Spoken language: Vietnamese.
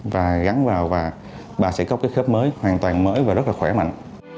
và gắn vào và bà sẽ có cái khớp mới hoàn toàn mới và rất là khỏe mạnh